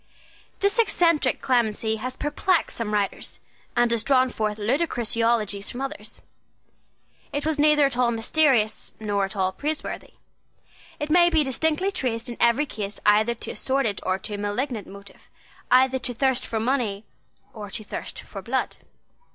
This eccentric clemency has perplexed some writers, and has drawn forth ludicrous eulogies from others. It was neither at all mysterious nor at all praiseworthy. It may be distinctly traced in every case either to a sordid or to a malignant motive, either to thirst for money or to thirst for blood.